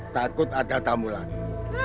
takut ada tamu lagi